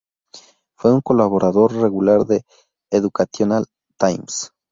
Fue un colaborador regular de "Educational Times".